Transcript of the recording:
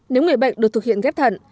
nếu người bệnh được thực hiện ghép thận